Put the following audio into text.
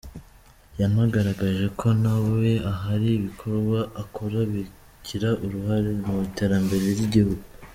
Yanagaragaje ko na we ahari ibikorwa akora bigira uruhare mu iterambere ry’igihugu.